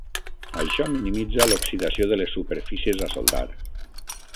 Això minimitza l'oxidació de les superfícies a soldar.